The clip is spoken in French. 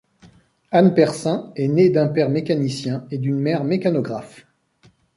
Anne Percin est née d'un père mécanicien et d'une mère mécanographe.